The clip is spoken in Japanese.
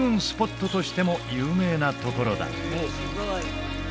スポットとしても有名なところだ